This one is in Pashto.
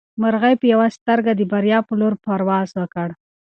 مرغۍ په یوه سترګه د بریا په لور پرواز وکړ.